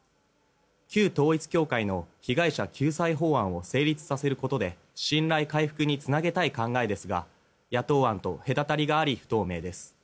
旧統一教会の被害者救済法案を成立させることで信頼回復につなげたい考えですが野党案と隔たりがあり不透明です。